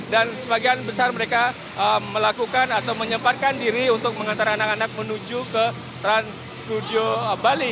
dan sebagian besar mereka melakukan atau menyempatkan diri untuk mengantar anak anak menuju ke trans studio bali